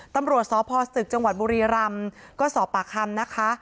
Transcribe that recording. ตำรวจสพสตึกจังหวัดบุรีรำก็สอบปากคำนะคะ